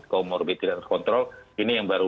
comorbid tidak terkontrol ini yang baru